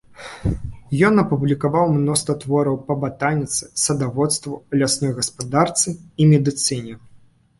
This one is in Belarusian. Ён апублікаваў мноства твораў па батаніцы, садаводству, лясной гаспадарцы і медыцыне.